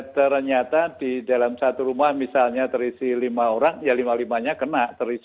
ternyata di dalam satu rumah misalnya terisi lima orang ya lima limanya kena